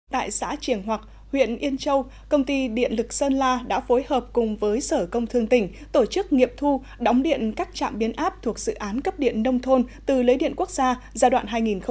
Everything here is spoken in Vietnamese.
tại xã triển hoặc huyện yên châu công ty điện lực sơn la đã phối hợp cùng với sở công thương tỉnh tổ chức nghiệp thu đóng điện các trạm biến áp thuộc dự án cấp điện nông thôn từ lưới điện quốc gia giai đoạn hai nghìn một mươi sáu hai nghìn hai mươi